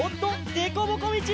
でこぼこみち！